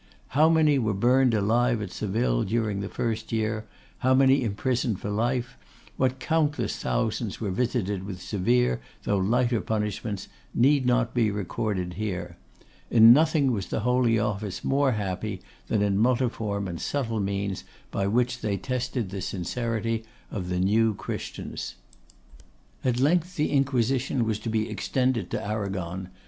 How many were burned alive at Seville during the first year, how many imprisoned for life, what countless thousands were visited with severe though lighter punishments, need not be recorded here. In nothing was the Holy Office more happy than in multiform and subtle means by which they tested the sincerity of the New Christians. At length the Inquisition was to be extended to Arragon.